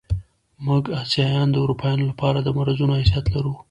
موږ اسیایان د اروپایانو له پاره د مرضونو حیثیت لرو.